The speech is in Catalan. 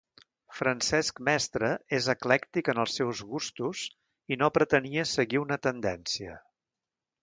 Francesc Mestre és eclèctic en els seus gustos i no pretenia seguir una tendència.